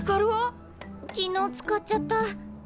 昨日使っちゃった。